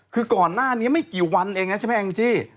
คือก่อนหน้านี้ไม่กี่วันเองนะใช่ไหมแองจี้